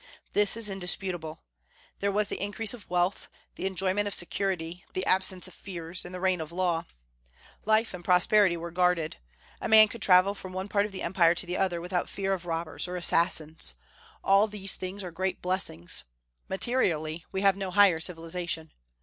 This is indisputable. There was the increase of wealth, the enjoyment of security, the absence of fears, and the reign of law. Life and property were guarded. A man could travel from one part of the Empire to the other without fear of robbers or assassins. All these things are great blessings. Materially we have no higher civilization.